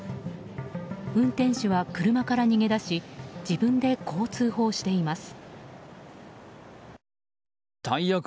運転手は車から逃げ出し自分で、こう通報しています。